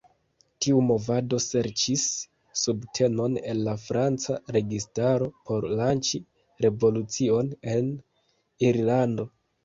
Tiu movado serĉis subtenon el la Franca registaro por lanĉi revolucion en Irlando.